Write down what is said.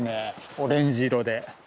オレンジ色で。